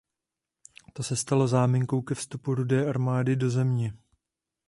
To se stalo záminkou ke vstupu Rudé armády do země.